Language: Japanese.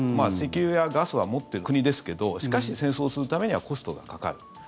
石油やガスは持っている国ですけどしかし、戦争するためにはコストがかかる。